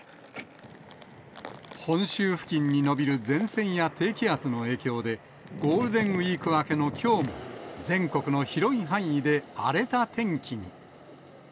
本州付近に延びる前線や低気圧の影響で、ゴールデンウィーク明けのきょうも、全国の広い範囲で荒れた天気に。